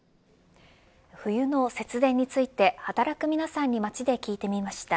冬の節電について働く皆さんに街で聞いてみました。